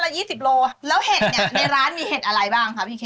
แล้วเห็ดเนี่ยในร้านมีเห็ดอะไรบ้างครับพี่เคน